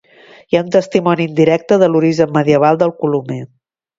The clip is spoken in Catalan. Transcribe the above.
Hi ha un testimoni indirecte de l'origen medieval del colomer.